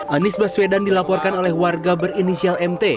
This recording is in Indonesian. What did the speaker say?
anies baswedan dilaporkan oleh warga berinisial mt